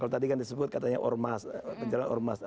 yang disebut katanya ormas